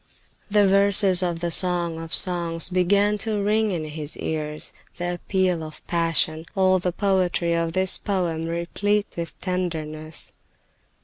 The verses of the Song of Songs began to ring in his ears, the appeal of passion, all the poetry of this poem replete with tenderness.